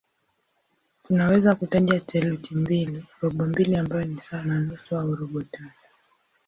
Tunaweza kutaja theluthi mbili, robo mbili ambayo ni sawa na nusu au robo tatu.